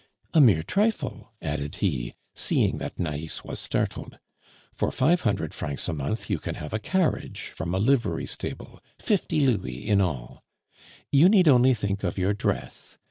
"A mere trifle," added he, seeing that Nais was startled. "For five hundred francs a month you can have a carriage from a livery stable; fifty louis in all. You need only think of your dress.